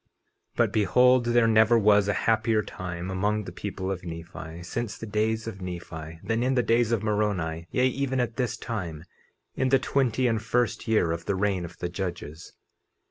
50:23 But behold there never was a happier time among the people of Nephi, since the days of Nephi, than in the days of Moroni, yea, even at this time, in the twenty and first year of the reign of the judges.